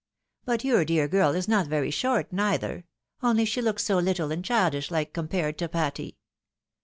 But your dear girl is not very short neither — only she looks so little and childish like compared to Patty.